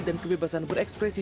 dan kebebasan berekspresi